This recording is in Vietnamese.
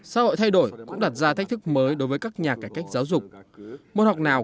xã hội thay đổi cũng đặt ra thách thức mới đối với các nhà cải cách giáo dục môn học nào